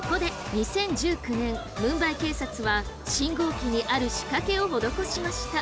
２０１９年ムンバイ警察は信号機にある仕掛けを施しました。